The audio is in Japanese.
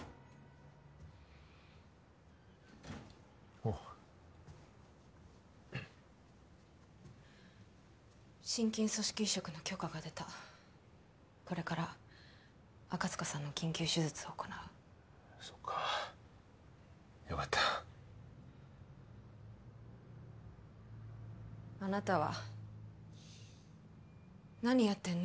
おっ心筋組織移植の許可が出たこれから赤塚さんの緊急手術を行うそうかよかったあなたは何やってんの？